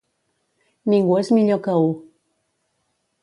Ningú és millor que u.